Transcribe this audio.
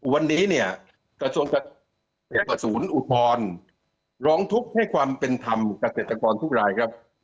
วันนี้เนี่ยกระทรวงอุทธรณ์ร้องทุกข์ให้ความเป็นธรรมเกษตรกรทุกรายครับ